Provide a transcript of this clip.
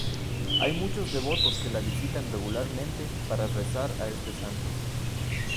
Hay muchos devotos que la visitan regularmente para rezar a este santo.